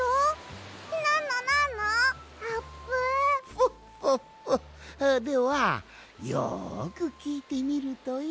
フォッフォッフォッではよくきいてみるといい。